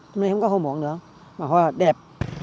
hôm nay không có hoa muộn nữa mà hoa đẹp